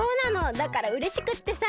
だからうれしくってさ！